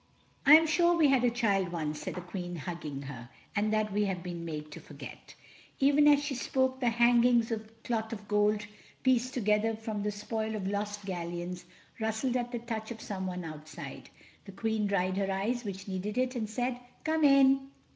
"I am sure we had a child once," said the Queen, hugging her, "and that we have been made to forget." Even as she spoke the hangings of cloth of gold, pieced together from the spoil of lost galleons, rustled at the touch of someone outside. The Queen dried her eyes, which needed it, and said, "Come in."